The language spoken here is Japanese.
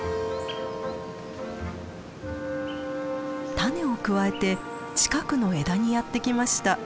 種をくわえて近くの枝にやって来ました。